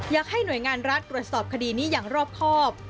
อยากให้หน่วยงานรัฐตรวจสอบคดีนี้อย่างรอบครอบ